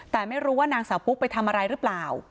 แต่ไม่รู้ว่านางสาวปุ๊กไปทำอะไรหรือเปล่า